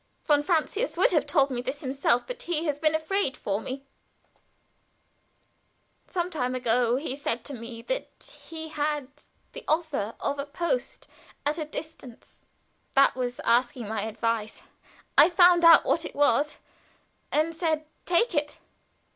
"Von Francius would have told me this himself, but he has been afraid for me; some time ago he said to me that he had the offer of a post at a distance. That was asking my advice. I found out what it was, and said, 'Take it.'